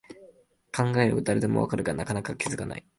考えれば誰でもわかるが、なかなか気づかない